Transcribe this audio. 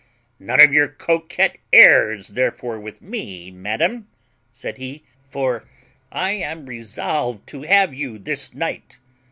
'None of your coquette airs, therefore, with me, madam,' said he, 'for I am resolved to have you this night.